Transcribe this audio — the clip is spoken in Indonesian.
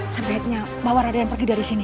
sebaiknya bawa raden pergi dari sini